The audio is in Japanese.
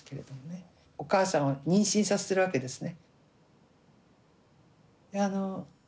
お母さんを妊娠させてるわけですね。